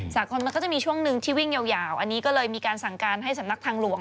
สากลมันก็จะมีช่วงหนึ่งที่วิ่งยาวอันนี้ก็เลยมีการสั่งการให้สำนักทางหลวง